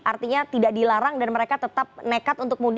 artinya tidak dilarang dan mereka tetap nekat untuk mudik